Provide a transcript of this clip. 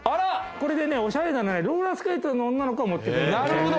これでねおしゃれなのがローラースケートの女の子が持ってくるの。